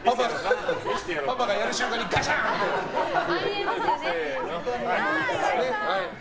パパがやる瞬間にガシャン！ってね。